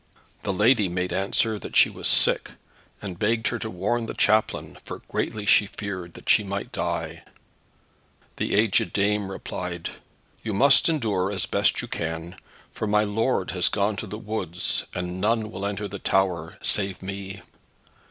The lady made answer that she was sick, and begged her to warn the chaplain, for greatly she feared that she might die. The agèd dame replied, "You must endure as best you may, for my lord has gone to the woods, and none will enter in the tower, save me."